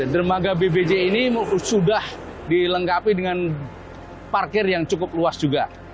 dermaga bbj ini sudah dilengkapi dengan parkir yang cukup luas juga